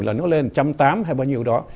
là nó lên một trăm tám hay bao nhiêu đó